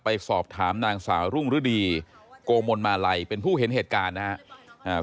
ไปสอบถามนางสาวรุ่งฤดีโกมนมาลัยเป็นผู้เห็นเหตุการณ์นะครับ